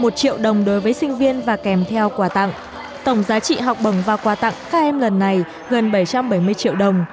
một triệu đồng đối với sinh viên và kèm theo quà tặng tổng giá trị học bổng và quà tặng các em lần này gần bảy trăm bảy mươi triệu đồng